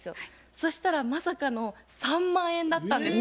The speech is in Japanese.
そしたらまさかの３万円だったんです。